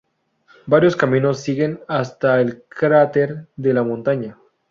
Varios caminos siguen hasta el cráter de la montaña.